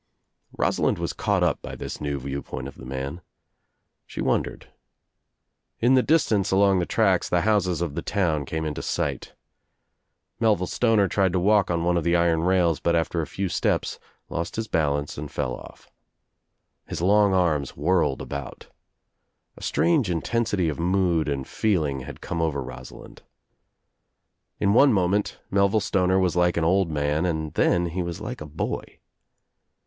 Rosalind was caught up by this new view point of the man. She wondered. In the distance along the tracks the houses of the town came into sight. Mel ville Stoner tried to walk on one of the iron rails but after a few steps lost his balance and fell off. His long arms whirled about. A strange intensity of mood and feeling had come over Rosalind. In one moment Melville Stoner was like an old man and then he was like a boy.